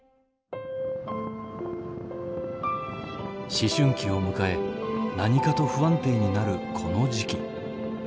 思春期を迎え何かと不安定になるこの時期。